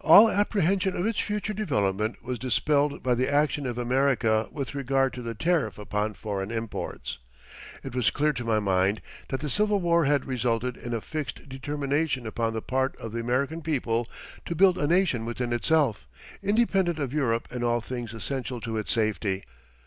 All apprehension of its future development was dispelled by the action of America with regard to the tariff upon foreign imports. It was clear to my mind that the Civil War had resulted in a fixed determination upon the part of the American people to build a nation within itself, independent of Europe in all things essential to its safety.